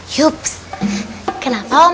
yups kenapa mama